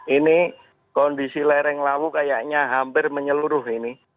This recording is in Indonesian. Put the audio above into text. ini kondisi lereng lawu kayaknya hampir menyeluruh ini